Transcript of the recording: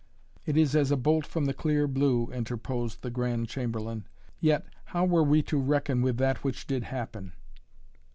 "It is as a bolt from the clear blue," interposed the Grand Chamberlain. "Yet how were we to reckon with that which did happen?